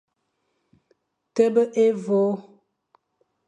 Tabe évÔ.